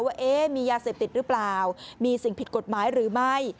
ว่ามียาเสพติดหรือเปล่ามีสิ่งผิดกฎหมายหรือไม่